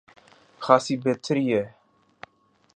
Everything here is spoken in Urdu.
خاصی بہتر رہی ہے۔